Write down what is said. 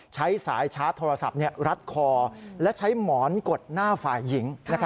ใช้สายชาร์จโทรศัพท์รัดคอและใช้หมอนกดหน้าฝ่ายหญิง